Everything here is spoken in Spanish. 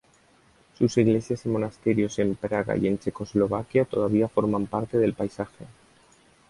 Sus iglesias y monasterios en Praga y en Checoslovaquia todavía forman parte del paisaje.